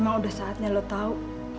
emang udah saatnya lo tau